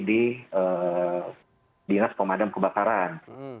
dinas pemadam kebakaran